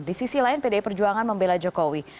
di sisi lain pdi perjuangan membela jokowi